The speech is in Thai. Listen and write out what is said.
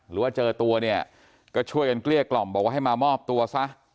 หรือว่าเจอตัวเนี่ยก็ช่วยกันเกลี้ยกล่อมบอกว่าให้มามอบตัวซะ